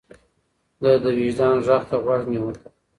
ده د وجدان غږ ته غوږ نيوه.